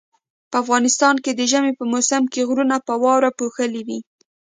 په افغانستان کې د ژمي په موسم کې غرونه په واوري پوښلي وي